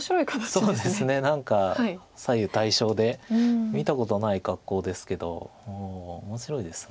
そうですね何か左右対称で見たことない格好ですけど面白いです。